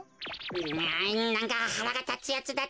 えなんかはらがたつやつだってか。